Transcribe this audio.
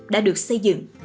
đã được xây dựng